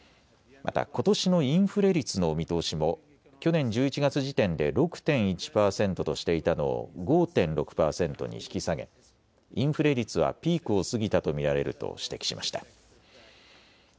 またことしのインフレ率の見通しも去年１１月時点で６．１％としていたのを５．６％に引き下げ、インフレ率はピークを過ぎたと見られると指摘しました。